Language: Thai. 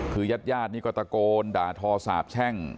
คือยาดนี่ก็ตะโกนด่าทอสาบแช่ง